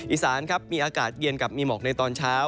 อีสานครับมีอากาศเย็นกับมีหมอกในตอนเช้า